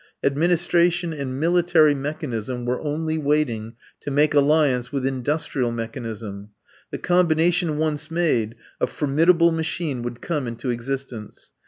Administration and military mechanism were only waiting to make alliance with industrial mechanism. The combination once made, a formidable machine would come into existence.